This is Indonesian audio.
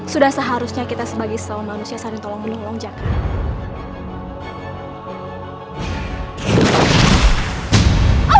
sudah seharusnya kita sebagai seorang manusia sering menolong menolong jakar